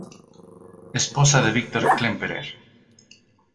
Esposa de Victor Klemperer.